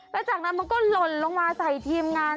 แล้วจากนั้นมันก็หล่นลงมาใส่ทีมงาน